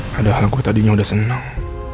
padahal gue tadinya udah seneng